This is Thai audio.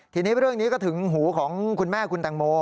ทีนี้เรื่องนี้ก็ถึงหูของคุณแม่คุณแตงโม